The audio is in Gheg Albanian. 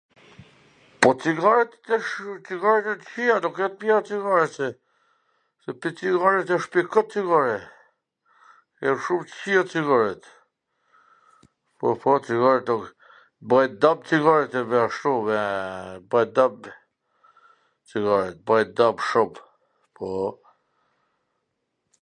po cigaret, tash, cigaret jan t kqia, nuk jan t mira cigaret se ... asht e kot cigarja, jan shum t kwqija cigaret, po, po, cigarret, bajn dam cigaret, kshu, bajn dam cigaret, bajn dam shum, pooo